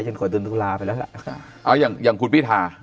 อย่างคุณพิทา